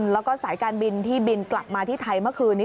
แล้วก็สายการบินที่บินกลับมาที่ไทยเมื่อคืนนี้